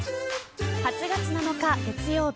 ８月７日月曜日